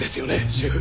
シェフ。